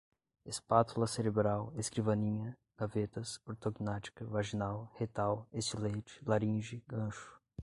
espátula cerebral, escrivaninha, gavetas, ortognática, vaginal, retal, estilete, laringe, gancho